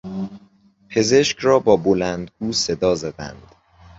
پزشک را با بلندگو صدا زدند.